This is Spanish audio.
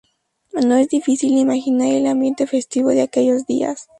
No es difícil imaginar el ambiente festivo de aquellos días.